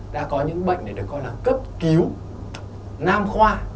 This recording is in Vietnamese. đã có những bệnh này được coi là cấp cứu nam khoa